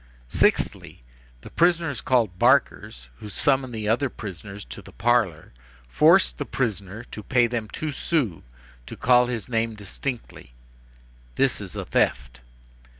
"Sixthly: the prisoners called barkers, who summon the other prisoners to the parlor, force the prisoner to pay them two sous to call his name distinctly. This is a theft.